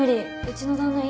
うちの旦那